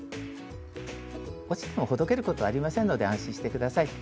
落ちてもほどけることはありませんので安心して下さい。